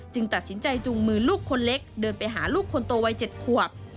ตัดสินใจจูงมือลูกคนเล็กเดินไปหาลูกคนโตวัย๗ขวบ